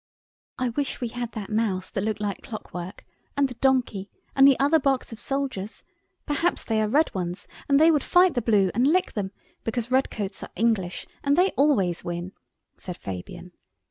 "I wish we had that mouse that looked like clockwork—and the donkey, and the other box of soldiers—perhaps they are red ones, and they would fight the blue and lick them—because red coats are English and they always win," said Fabian.